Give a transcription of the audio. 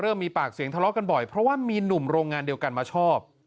มีปากเสียงทะเลาะกันบ่อยเพราะว่ามีหนุ่มโรงงานเดียวกันมาชอบ